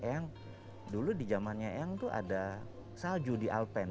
yang dulu di zamannya eyang tuh ada salju di alpen